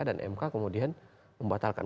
dan mk kemudian membatalkan